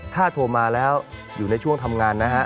ถ้าโทรมาแล้วอยู่ในช่วงทำงานนะฮะ